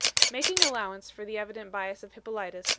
Making allowance for the evident bias of Hippolytus.